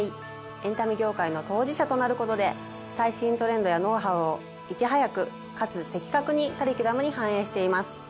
エンタメ業界の当事者となることで最新トレンドやノウハウをいち早くかつ的確にカリキュラムに反映しています。